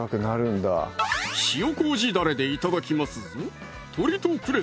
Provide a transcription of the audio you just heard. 塩麹だれで頂きますぞ